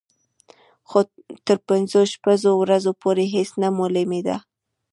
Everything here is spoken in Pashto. تر پنځو شپږو ورځو پورې هېڅ نه معلومېدل.